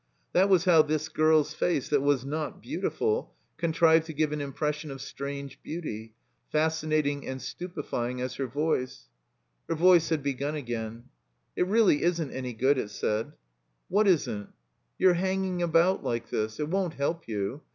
That was how this girl's face, that was not beauti ful, contrived to give an impression of strange beauty, fascinating and stupefying as her voice. Her voice had begun again. "It really isn't any good," it said. 73 THE COMBINED MAZE "What isn't?" * 'Your hanging about like this. It won't help you.